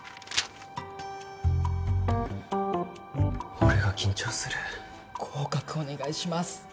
俺が緊張する合格お願いします